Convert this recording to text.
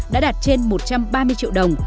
đã đạt trên một trăm ba mươi triệu đồng